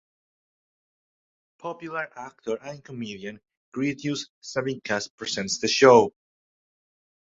Popular actor and comedian Giedrius Savickas presents the show.